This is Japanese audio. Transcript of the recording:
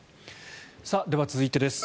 では、続いてです。